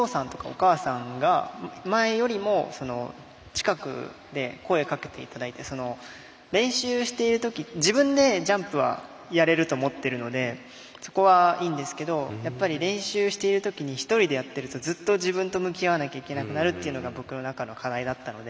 お父さんとかお母さんが前よりも近くで声かけていただいて練習しているとき自分でジャンプはやれると思ってるのでそこはいいんですけどやっぱり練習してるときに１人でやってるとずっと自分と向き合わなきゃいけなくなるというのが僕の中の課題だったので。